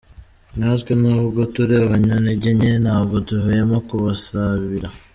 Natwe nubwo turi abanyantege nke ntabwo duhwema kumusabira.